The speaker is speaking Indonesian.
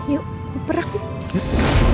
yuk berperang yuk